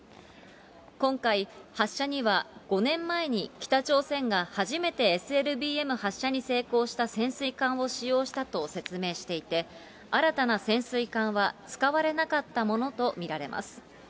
今回、発射には、５年前に北朝鮮が初めてＳＬＢＭ発射に成功した潜水艦を使用したと説明していて、新たな潜水艦は使われなかったものと見られます。